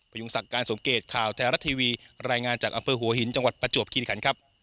ยุงศักดิ์การสมเกตข่าวแท้รัฐทีวีรายงานจากอำเภอหัวหินจังหวัดประจวบคิริขันครับ